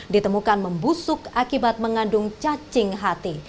ditemukan membusuk akibat mengandung cacing hati